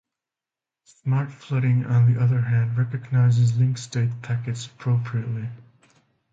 Smart flooding, on the other hand, recognizes link state packets appropriately.